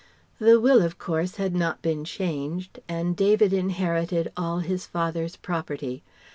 The will, of course, had not been changed, and David inherited all his "father's" property.